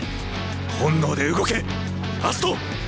本能で動け葦人！